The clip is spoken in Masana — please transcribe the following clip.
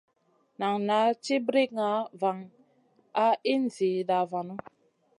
Nan naʼ ci brikŋa van a in zida vanu.